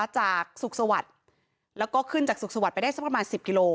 จากสุขสวัสดิ์แล้วก็ขึ้นจากสุขสวัสดิไปได้สักประมาณ๑๐กิโล